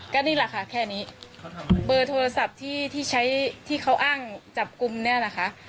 ก็นี่แหละค่ะแค่นี้เบอร์โทรศัพท์ที่ที่ใช้ที่เขาอ้างจับกลุ่มเนี่ยนะคะ